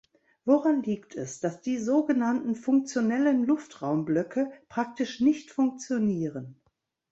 Woran liegt es, dass die so genannten funktionellen Luftraumblöcke praktisch nicht funktionieren?